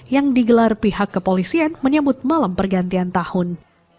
yang digelar pihak kepolisian menyebut malam pergantian tahun